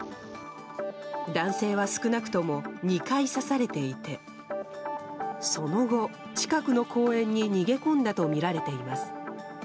男性は少なくとも２回刺されていてその後、近くの公園に逃げ込んだとみられています。